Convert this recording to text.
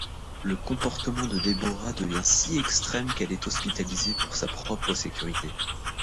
Le comportement de Deborah devient si extrême qu'elle est hospitalisée pour sa propre sécurité.